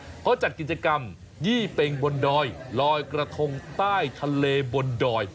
เขาจัดกิจกรรมยี่เป็งบนดอยลอยกระทงใต้ทะเลบนดอย